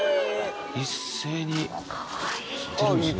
一斉に吸ってるんですね。